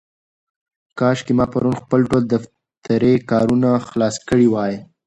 کاشکې ما پرون خپل ټول دفترې کارونه خلاص کړي وای.